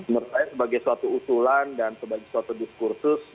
menurut saya sebagai suatu usulan dan sebagai suatu diskursus